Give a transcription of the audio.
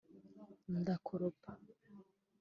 ndakoropa